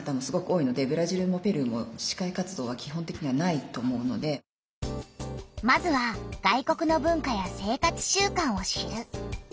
いろんな言葉にまずは外国の文化や生活習慣を知る。